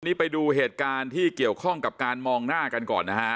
นี่ไปดูเหตุการณ์ที่เกี่ยวข้องกับการมองหน้ากันก่อนนะฮะ